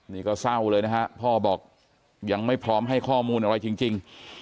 นี่ก็เศร้าเลยนะฮะพ่อบอกยังไม่พร้อมให้ข้อมูลอะไรจริง